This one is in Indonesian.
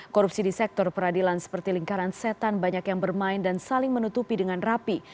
korupsi di sektor peradilan seperti lingkaran setan banyak yang bermain dan saling menutupi dengan rapi